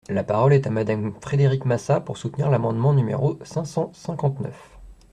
La parole est à Madame Frédérique Massat, pour soutenir l’amendement numéro cinq cent cinquante-neuf.